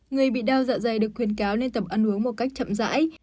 người bị đau dạ dày được khuyến cáo nên tập ăn uống một cách chậm rãi